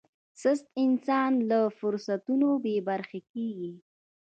سست انسان له فرصتونو بې برخې کېږي.